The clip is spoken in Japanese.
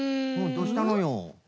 どうしたのよ？